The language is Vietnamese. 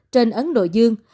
trên ấn độ dương